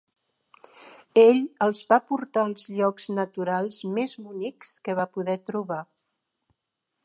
Ell els va portar als llocs naturals més bonics que va poder trobar.